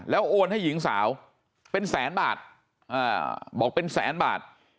โอนให้หญิงสาวเป็นแสนบาทบอกเป็นแสนบาท